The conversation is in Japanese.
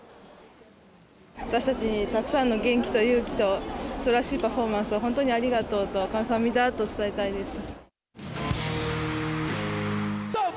私たちにたくさんの元気と勇気と、すばらしいパフォーマンスを本当にありがとうと、カムサハムニダと伝えたいです。